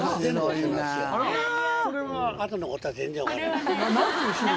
あとのことは全然分かんない。